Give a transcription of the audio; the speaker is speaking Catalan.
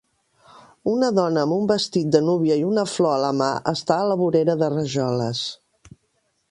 Una dona amb un vestit de núvia i una flor a la mà està a la vorera de rajoles.